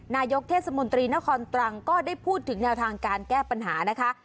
นายกเทศมนตรีนครตรังก็ได้พูดถึงแนวทางการแก้ปัญหานะคะ